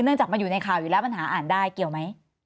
จากมันอยู่ในข่าวอยู่แล้วปัญหาอ่านได้เกี่ยวไหม